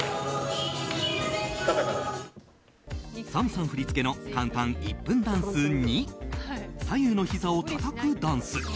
ＳＡＭさん振り付けの簡単１分ダンス２左右のひざをたたくダンス。